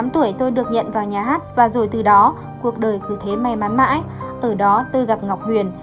một mươi tuổi tôi được nhận vào nhà hát và rồi từ đó cuộc đời cứ thế may mắn mãi ở đó tôi gặp ngọc huyền